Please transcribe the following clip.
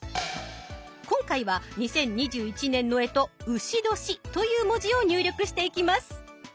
今回は２０２１年の干支「丑年」という文字を入力していきます。